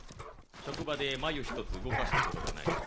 職場で眉一つ動かしたことがない。